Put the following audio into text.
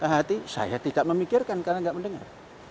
hati saya tidak memikirkan karena tidak mendengar